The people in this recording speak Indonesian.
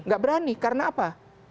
nggak berani karena apa